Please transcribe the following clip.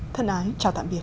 thân ái chào tạm biệt